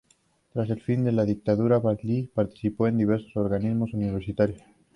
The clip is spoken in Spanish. Tras el fin de la dictadura, Vivaldi participó en diversos organismos universitarios.